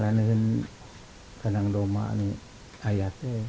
lalu saya akan berbual dengan ayah